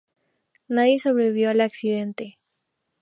Nadie sobrevivió al accidente.